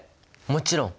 もちろん！